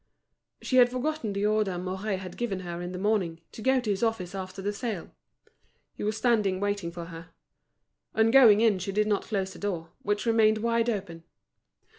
She had forgotten the order Mouret had given her in the morning, to go to his office after the sale. He was standing waiting for her. On going in she did not close the door, which remained wide open.